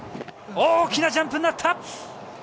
大きなジャンプになった！